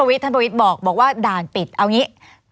ท่านประวิทย์บอกว่าด่านปิดเอาอย่างนี้